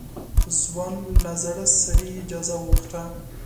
ځوان له زاړه سړي اجازه وغوښته.